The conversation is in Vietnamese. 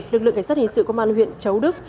lực lượng cảnh sát hình sự công an huyện châu đức